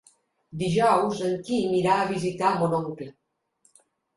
Dijous en Quim irà a visitar mon oncle.